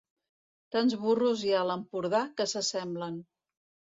Tants burros hi ha a l'Empordà que s'assemblen.